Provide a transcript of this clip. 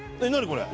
これ」